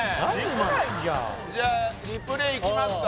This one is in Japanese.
今のじゃあリプレイいきますか